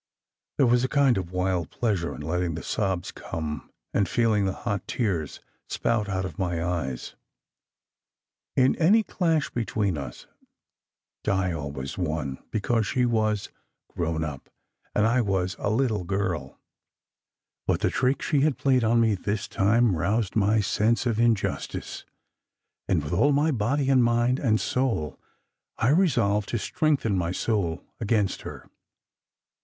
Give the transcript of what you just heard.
There was a kind of wild pleasure in letting the sobs come, and feeling the hot tears spout out of my eyes. In any clash between us, Di always won, because she was "grown up," and I was a "little girl"; but the trick she had played on me this time roused my sense of its injustice, and with all my body and mind and soul I resolved to strengthen my soul against her.